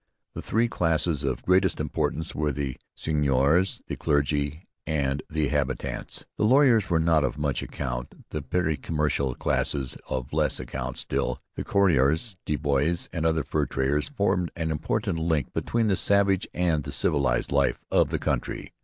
The three classes of greatest importance were the seigneurs, the clergy, and the habitants. The lawyers were not of much account; the petty commercial classes of less account still. The coureurs de bois and other fur traders formed an important link between the savage and the civilized life of the country.